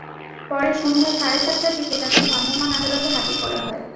পরে সন্ধ্যা সাড়ে সাতটার দিকে তাঁকে ভ্রাম্যমাণ আদালতে হাজির করা হয়।